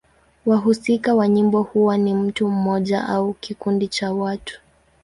Wahusika wa nyimbo huwa ni mtu mmoja au kikundi cha watu.